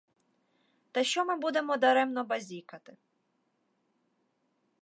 Та що ми будемо даремно базікати!